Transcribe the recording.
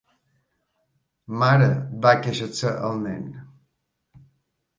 "Mare!" va queixar-se el nen.